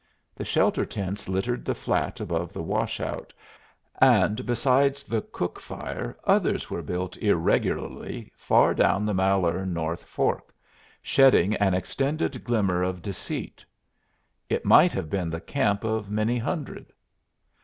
The shelter tents littered the flat above the wash out, and besides the cook fire others were built irregularly far down the Malheur North Fork, shedding an extended glimmer of deceit. It might have been the camp of many hundred.